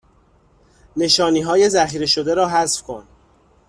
نشانی های ذخیره شده را حذف کن